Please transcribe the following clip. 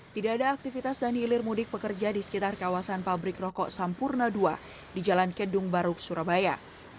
tidak ada aktivitas dan hilir mudik pekerja di sekitar kawasan pabrik rokok sampurna ii di jalan kedung baruk surabaya